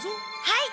はい！